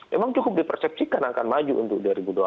memang cukup dipersepsikan akan maju untuk dua ribu dua puluh empat